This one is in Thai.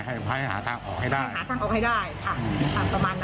ให้หาทางออกให้ได้หาทางออกให้ได้ค่ะอ่าประมาณนั้น